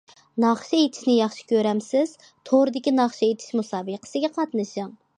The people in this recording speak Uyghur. ناخشا ئېيتىشنى ياخشى كۆرەمسىز؟ توردىكى ناخشا ئېيتىش مۇسابىقىسىگە قاتنىشىڭ!